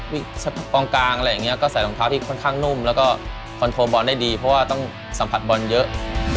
กองกลางอะไรอย่างนี้ก็ใส่รองเท้าที่ค่อนข้างนุ่มแล้วก็คอนโทรบอลได้ดีเพราะว่าต้องสัมผัสบอลเยอะ